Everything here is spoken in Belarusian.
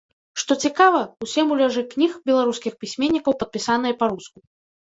Што цікава, усе муляжы кніг беларускіх пісьменнікаў падпісаныя па-руску.